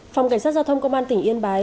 phòng cảnh sát giao thông công an tỉnh yên bái